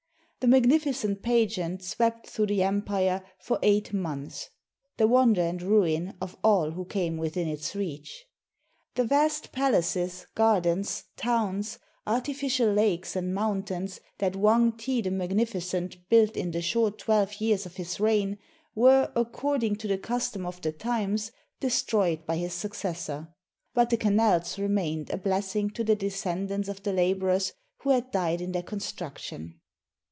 The magnificent pageant swept through the empire for eight months, the wonder and ruin of all who came within its reach. The vast palaces, gardens, towns, artificial lakes and mountains that Wang ti the Magnificent built in the short twelve years of his reign were, according to the custom of the times, destroyed by his successor; but the canals remained a blessing to the descendants of the laborers who had died in their construction.